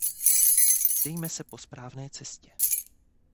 Dejme se po správné cestě.